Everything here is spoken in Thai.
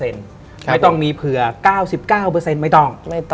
ไม่ต้องมีเผื่อ๙๙ไม่ต้อง